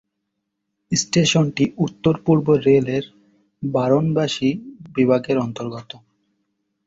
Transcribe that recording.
স্টেশনটি উত্তর-পূর্ব্ব রেল এর বারাণসী বিভাগের অন্তর্গত।